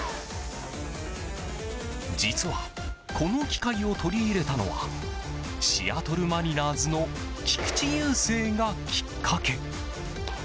実は、この機械を取り入れたのはシアトル・マリナーズの菊池雄星がきっかけ。